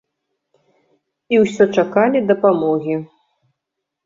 І ўсё чакалі дапамогі.